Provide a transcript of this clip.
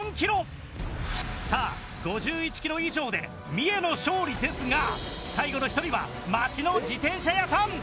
さあ５１キロ以上で三重の勝利ですが最後の１人は街の自転車屋さん。